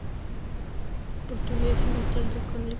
Portuense y más tarde, al Conil Club de Fútbol.